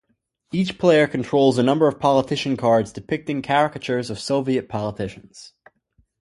Each player controls a number of politician cards depicting caricatures of Soviet politicians.